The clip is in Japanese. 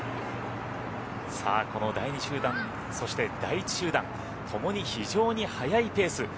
この第２集団そして第１集団ともに非常に速いペース。